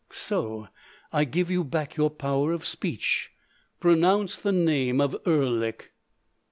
So! I give you back your power of speech. Pronounce the name of Erlik!"